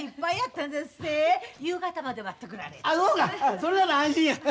それなら安心や。